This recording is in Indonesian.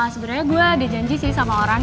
sebenarnya gue ada janji sih sama orang